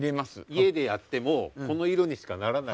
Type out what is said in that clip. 家でやってもこの色にしかならない。